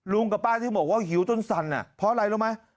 กับป้าที่บอกว่าหิวจนสั่นเพราะอะไรรู้ไหม